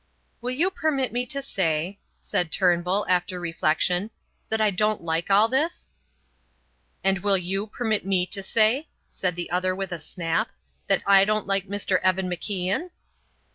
"Will you permit me to say," said Turnbull, after reflection, "that I don't like all this?" "And will you permit me to say," said the other, with a snap, "that I don't like Mr. Evan MacIan?"